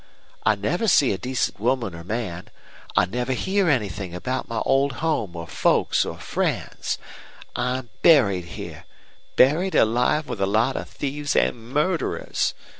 I never see a decent woman or man. I never hear anything about my old home or folks or friends. I'm buried here buried alive with a lot of thieves and murderers.